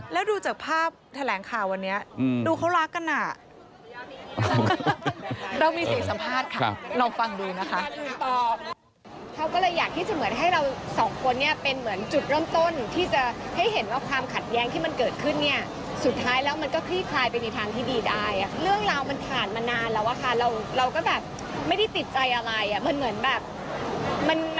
แล้วดูจากภาพแถลงข่าววันนี้ดูเขารักกันน่ะ